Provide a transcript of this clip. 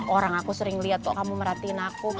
orang aku sering liat toh kamu merhatiin aku